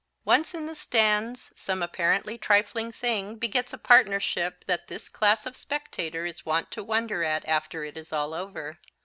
Once in the stands some apparently trifling thing begets a partisanship that this class of spectator is wont to wonder at after it is all over.